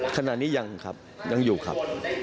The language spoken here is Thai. ขณะนี้ยังครับยังอยู่ครับ